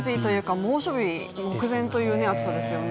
猛暑日、目前という暑さですよね。